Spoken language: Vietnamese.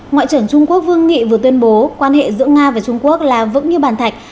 ngoại trưởng trung quốc vương nghị vừa tuyên bố quan hệ giữa nga và trung quốc là vững như bàn thạch